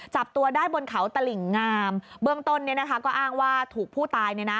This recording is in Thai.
จับตัวได้บนเขาตลิ่งงามเบื้องต้นเนี่ยนะคะก็อ้างว่าถูกผู้ตายเนี่ยนะ